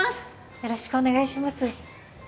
よろしくお願いします